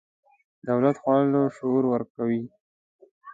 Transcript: دولت جوړولو شعور ورکوي.